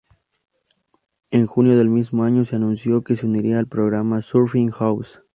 En junio del mismo año se anunció que se uniría al programa "Surfing House".